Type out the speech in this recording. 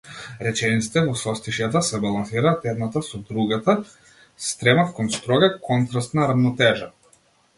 Речениците во состишјата се балансираат едната со другата, стремат кон строга, контрастна рамнотежа.